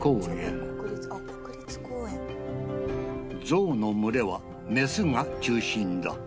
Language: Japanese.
ゾウの群れはメスが中心だ